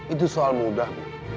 itu soal mudah